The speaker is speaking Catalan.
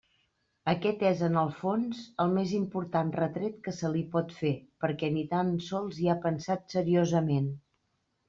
Aquest és, en el fons, el més important retret que se li pot fer, perquè ni tan sols hi ha pensat seriosament.